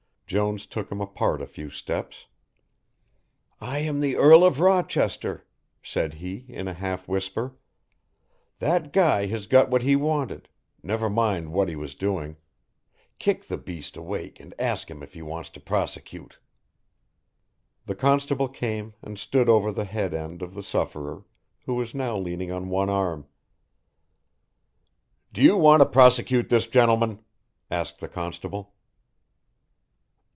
Jones took him apart a few steps. "I am the Earl of Rochester," said he, in a half whisper. "That guy has got what he wanted never mind what he was doing kick the beast awake and ask him if he wants to prosecute." The constable came and stood over the head end of the sufferer, who was now leaning on one arm. "Do you want to prosecute this gentleman?" asked the constable.